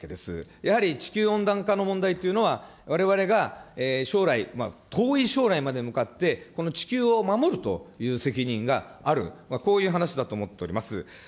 やはり地球温暖化の問題というのは、われわれが将来、遠い将来まで向かって、この地球を守るという責任がある、こういう話だと思っております。